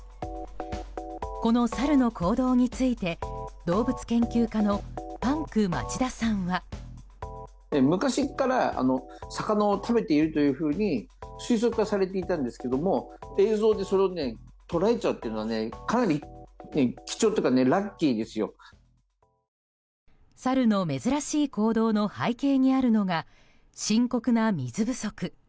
このサルの行動について動物研究家のパンク町田さんは。サルの珍しい行動の背景にあるのが深刻な水不足。